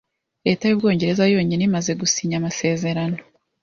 Leta y'Ubwongereza yonyine imaze gusinya amasezerano